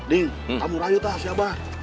nih nih kamu rayu ta si abah